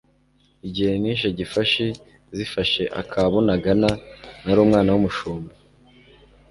igihe nishe Gifashi zifashe aka Bunagana, nari umwana w'umushumba,